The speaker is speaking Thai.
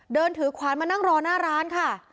เดินถือขวานมานั่งรอหน้าร้านค่ะ